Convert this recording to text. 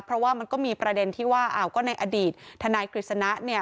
เพราะว่ามันก็มีประเด็นที่ว่าในอดีตธนายกฤษณะ